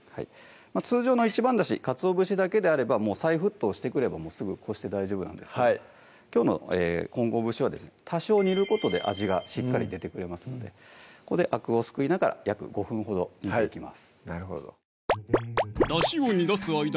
通常の一番だしかつお節だけであればもう再沸騰してくればすぐこして大丈夫なんですけどきょうの混合節はですね多少煮ることで味がしっかり出てくれますのでここでアクをすくいながら約５分ほど煮ていきます